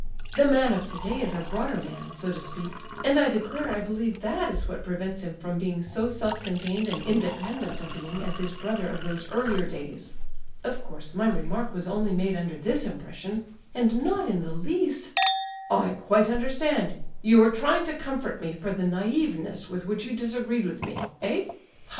The man of today is a broader man, so to speak—and I declare I believe that is what prevents him from being so self contained and independent a being as his brother of those earlier days. Of course my remark was only made under this impression, and not in the least—" "I quite understand. You are trying to comfort me for the naiveness with which you disagreed with me—eh? Ha! ha!